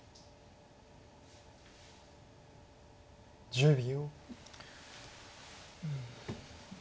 １０秒。